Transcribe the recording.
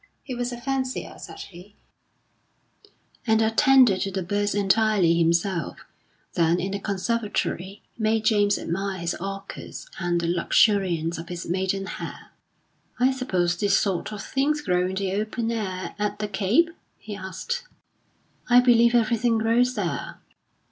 He was a fancier, said he, and attended to the birds entirely himself; then in the conservatory, made James admire his orchids and the luxuriance of his maidenhair. "I suppose these sort of things grow in the open air at the Cape?" he asked. "I believe everything grows there."